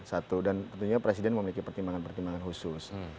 satu dan tentunya presiden memiliki pertimbangan pertimbangan khusus